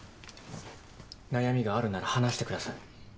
悩みがあるなら話してください。